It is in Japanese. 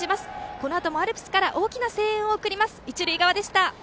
このあともアルプスから大きな声援を送ります。